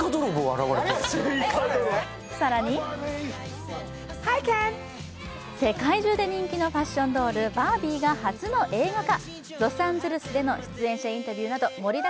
更に世界中で人気のファッションドール「バービー」が初の映画化。